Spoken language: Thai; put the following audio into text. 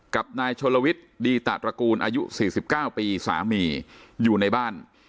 กับนายโชลวิทดีตาตระกูลอายุสี่สิบเก้าปีสามีอยู่ในบ้าน